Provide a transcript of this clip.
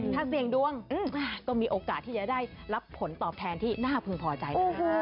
ถ้าเสี่ยงดวงก็มีโอกาสที่จะได้รับผลตอบแทนที่น่าพึงพอใจนะคะ